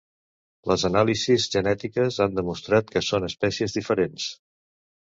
Les anàlisis genètiques han demostrat que són espècies diferents.